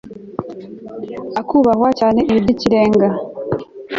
akubahwa cyane ibi by'ikirenga